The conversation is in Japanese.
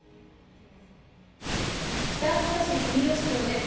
北秋田市住吉町です。